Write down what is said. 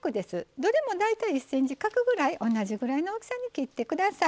どれも大体１ｃｍ角ぐらい同じぐらいの大きさに切ってください。